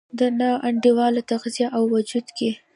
د نا انډوله تغذیې او وجود کې